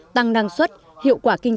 tăng năng suất hiệu quả kinh tế